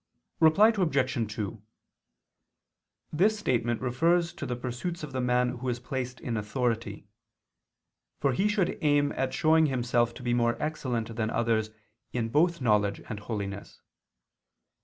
Reply Obj. 2: This statement refers to the pursuits of the man who is placed in authority. For he should aim at showing himself to be more excellent than others in both knowledge and holiness.